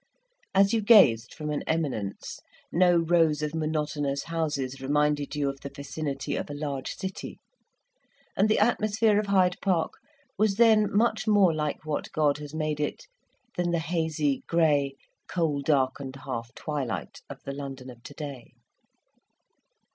As you gazed from an eminence, no rows of monotonous houses reminded you of the vicinity of a large city, and the atmosphere of Hyde Park was then much more like what God has made it than the hazy, gray, coal darkened half twilight of the London of to day.